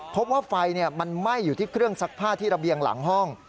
พบว่าไฟมันไหม้อยู่ที่เครื่องซักผ้าที่ระเบียงหลังห้อง